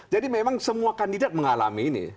jadi memang semua kandidat mengalami ini